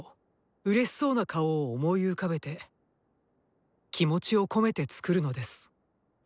うれしそうな顔を思い浮かべて気持ちを込めて作るのです。